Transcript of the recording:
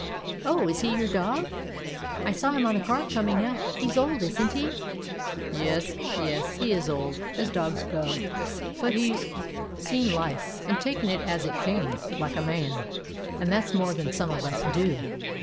"Oh, is he your dog? I saw him on the car coming up. He 's old, is n't he?" "Yes, yes; he is old, as dogs go. But he 's seen life, and taken it as it came, like a man; and that 's more than some of us do."